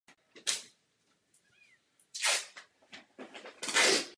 Po dvou týdnech se však oba nakonec vrátili zpět do své mateřské strany.